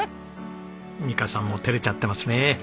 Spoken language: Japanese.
美香さんも照れちゃってますね。